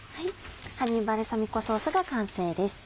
ハニーバルサミコソースが完成です。